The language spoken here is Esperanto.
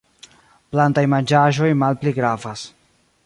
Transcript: Plantaj manĝaĵoj malpli gravas.